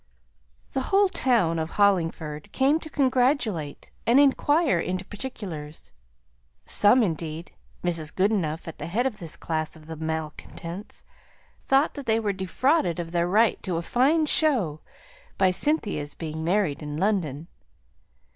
The whole town of Hollingford came to congratulate and inquire into particulars. Some indeed Mrs. Goodenough at the head of this class of malcontents thought that they were defrauded of their right to a fine show by Cynthia's being married in London.